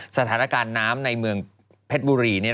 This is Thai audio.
สถานการณ์น้ำในเมืองเพชรบุรี